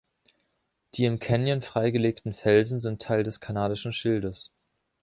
Die im Canyon freigelegten Felsen sind Teil des Kanadischen Schildes.